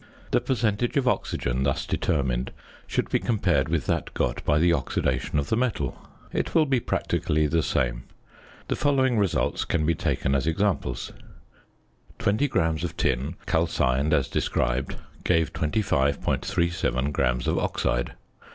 The percentage of oxygen thus determined should be compared with that got by the oxidation of the metal. It will be practically the same. The following results can be taken as examples: Twenty grams of tin, calcined as described, gave 25.37 grams of oxide.